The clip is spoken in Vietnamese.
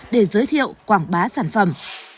để giới thiệu quảng bá sản phẩm